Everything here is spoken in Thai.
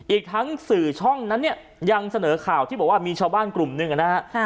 อีกทั้งสื่อช่องนั้นเนี่ยยังเสนอข่าวที่บอกว่ามีชาวบ้านกลุ่มหนึ่งนะฮะ